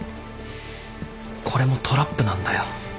これもトラップなんだよ。